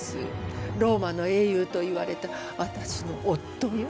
ローマの英雄といわれた私の夫よ。